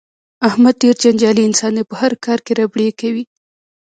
احمد ډېر جنجالي انسان دی په هر کار کې ربړې کوي.